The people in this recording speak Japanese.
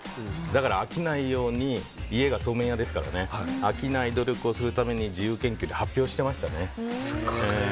だから飽きないように家がそうめん屋ですから飽きない努力をするために自由研究で発表してましたね。